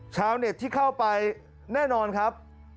ชาวเน็ตที่เข้าไปแน่นอนครับ